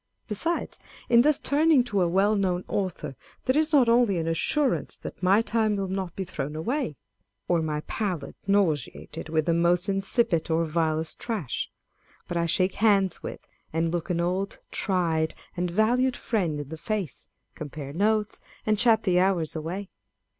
Besides, in thus turning to a well known author, there is not only an assurance that my time will not be thrown away, or my palate nauseated with the most insipid or vilest trash, â€" but I shake hands ;vith, and look an old, tried, and valued friend in the face, â€" compare notes, and chat the hours away.